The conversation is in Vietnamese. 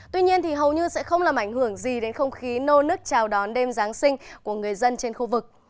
tuy nhiên hầu như sẽ không làm ảnh hưởng gì đến không khí nô nứt chào đón đêm giáng sinh của người dân trên khu vực